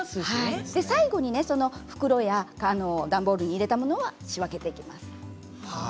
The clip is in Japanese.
そして最後段ボールや袋に入れたものを仕分けていきます。